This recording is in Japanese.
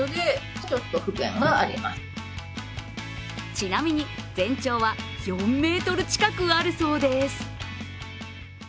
ちなみに全長は４ｍ近くあるそうです。